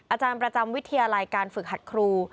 อาจารย์ประจำวิทยาลัยการฝึกหัดครู